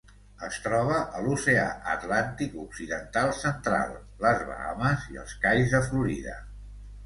Es troba a l'Oceà Atlàntic occidental central: les Bahames i els cais de Florida.